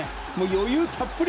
余裕たっぷり。